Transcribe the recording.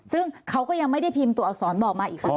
ซึ่งเขาก็ยังไม่ได้พิมพ์ตัวอักษรบอกมาอีกฝั่ง